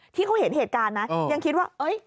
ที่เขาเห็นเหตุการณ์นะยังคิดว่า